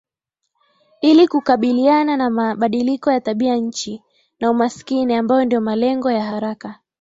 ili kukabiliana na mabadiliko ya tabia nchi na umaskini ambayo ndio malengo ya haraka